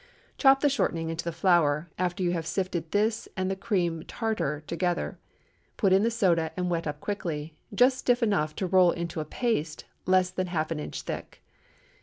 Chop the shortening into the flour after you have sifted this and the cream tartar together; put in the soda and wet up quickly—just stiff enough to roll into a paste less than half an inch thick.